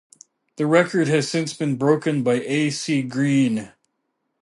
This record has since been broken by A. C. Green.